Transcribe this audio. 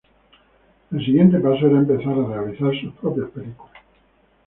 El siguiente paso era empezar a realizar sus propias películas.